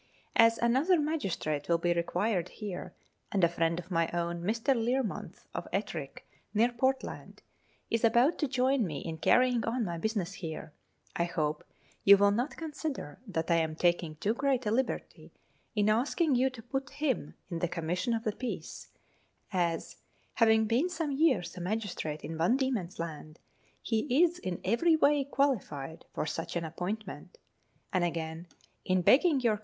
As another magistrate will be required here, and a friend of my own, Mr. Learmonth, of Ettrick, near Portland, is about to join me in carrying on my business here, I hope you will not consider that I am taking too great a liberty in asking you to put him in the Commission of the Peace, as, having been some years a magistrate in Van Diemen'a Land, he is in every way qualified for such an appointment ; and again, in begging your 1 See page 265. Letters from Victorian Pioneers.